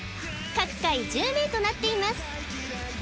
各回１０名となっています